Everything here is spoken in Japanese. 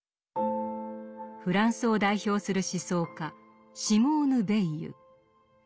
フランスを代表する思想家シモーヌ・ヴェイユ。